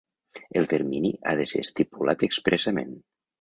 El termini ha de ser estipulat expressament.